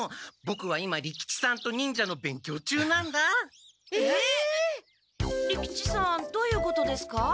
ボクは今利吉さんと忍者の勉強中なんだ。えっ！？利吉さんどういうことですか？